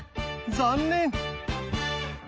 残念！